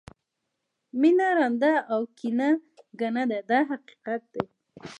مینه ړانده او کینه کڼه ده دا حقیقت دی.